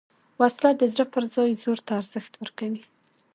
وسله د زړه پر ځای زور ته ارزښت ورکوي